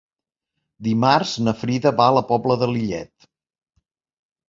Dimarts na Frida va a la Pobla de Lillet.